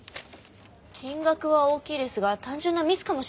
金額は大きいですが単純なミスかもしれませんね。